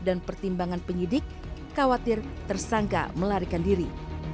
dan pertimbangan penyidik khawatir tersangka melarikan diri